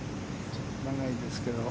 長いですけど。